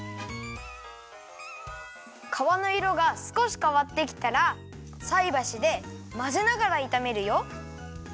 かわのいろがすこしかわってきたらさいばしでまぜながらいためるよ。